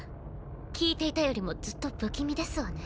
聞いていたよりもずっと不気味ですわね。